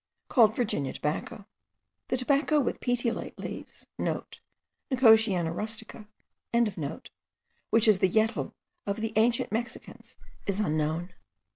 called Virginia tobacco. The tobacco with petiolate leaves,* (* Nicotiana rustica.) which is the yetl of the ancient Mexicans, is unknown.